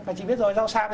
và chị biết rồi rau xam